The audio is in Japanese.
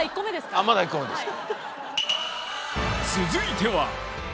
あまだ１個目ですか。